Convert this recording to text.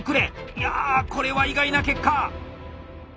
いやこれは意外な結果！